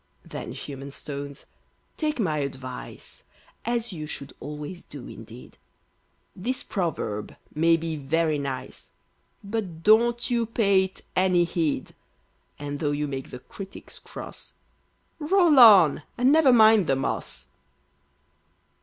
Then, human stones, take my advice, (As you should always do, indeed); This proverb may be very nice, But don't you pay it any heed, And, tho' you make the critics cross, Roll on, and never mind the moss.